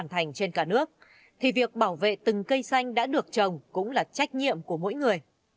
thành trên cả nước thì việc bảo vệ từng cây xanh đã được trồng cũng là trách nhiệm của mỗi người